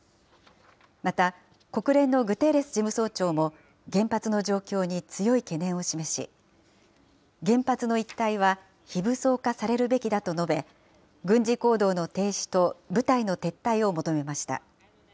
また、国連のグテーレス事務総長も原発の状況に強い懸念を示し、原発の一帯は非武装化されるべきだと述べ、軍事行動の停止と部隊の撤退を求めました。